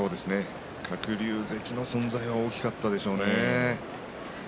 鶴竜関の存在は大きかったでしょうね。